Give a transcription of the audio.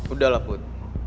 udah lah put